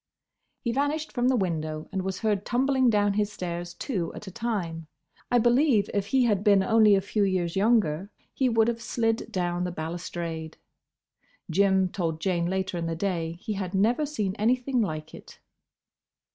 He vanished from the window and was heard tumbling down his stairs two at a time. I believe if he had been only a few years younger he would have slid down the balustrade. Jim told Jane later in the day he had never seen anything like it.